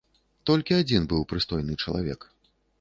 Толькі адзін быў прыстойны чалавек.